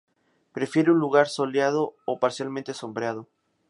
Prefiere un lugar soleado o parcialmente sombreado.